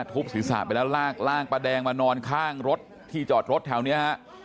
ทุบศีรษะไปแล้วลากร่างป้าแดงมานอนข้างรถที่จอดรถแถวนี้ฮะ